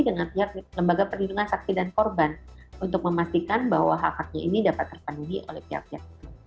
dengan pihak lembaga perlindungan saksi dan korban untuk memastikan bahwa hak haknya ini dapat terpenuhi oleh pihak pihak